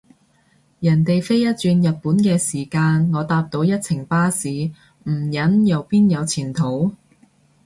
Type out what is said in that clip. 人哋飛一轉日本嘅時間，我搭到一程巴士，唔忍又邊有前途？